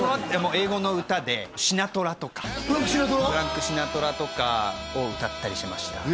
英語の歌でシナトラとかフランク・シナトラ！？フランク・シナトラとかを歌ったりしました